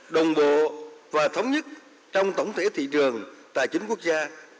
đồng bộ và thống nhất trong tổng thể thị trường tài chính quốc gia